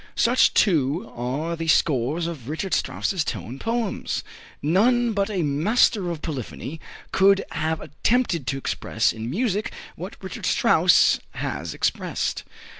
Such, too, are the scores of Richard Strauss's tone poems. None but a master of polyphony could have attempted to express in music what Richard Strauss has expressed.